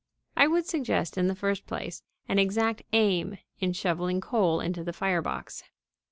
I would suggest, in the first place, an exact aim in shoveling coal into the fire box.